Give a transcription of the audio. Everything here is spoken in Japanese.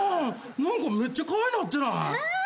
めっちゃかわいなってない⁉あ！